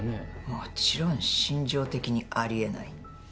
もちろん心情的にありえない。